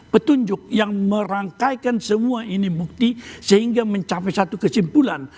petunjuk yang merangkaikan semua ini bukti sehingga mencapai satu kesimpulan